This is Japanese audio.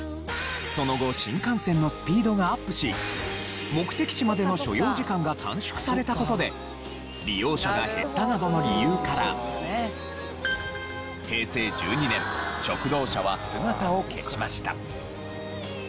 その後新幹線のスピードがアップし目的地までの所要時間が短縮された事で利用者が減ったなどの理由から平成１２年食堂車は姿を消しました。